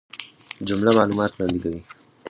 جمله معلومات وړاندي کوي.